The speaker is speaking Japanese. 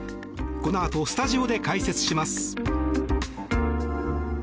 このあとスタジオで解説します。